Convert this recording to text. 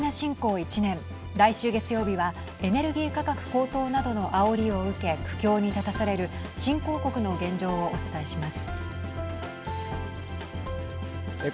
１年来週月曜日はエネルギー価格高騰などのあおりを受け苦境に立たされる新興国の現状をお伝えします。